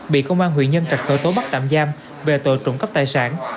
bị công an huyện nhân trạch khởi tố bắt tạm giam về tội trộm cắp tài sản